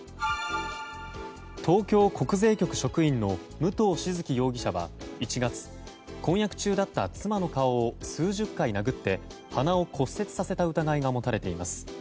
東京国税局職員の武藤静城容疑者は１月婚約中だった妻の顔を数十回殴って鼻を骨折させた疑いが持たれています。